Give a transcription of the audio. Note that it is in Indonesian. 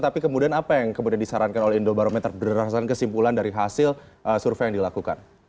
tapi kemudian apa yang kemudian disarankan oleh indobarometer berdasarkan kesimpulan dari hasil survei yang dilakukan